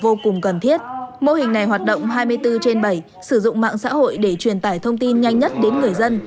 vô cùng cần thiết mô hình này hoạt động hai mươi bốn trên bảy sử dụng mạng xã hội để truyền tải thông tin nhanh nhất đến người dân